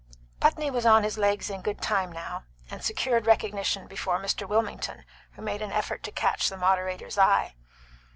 Putney was on his legs in good time now, and secured recognition before Mr. Wilmington, who made an effort to catch the moderator's eye.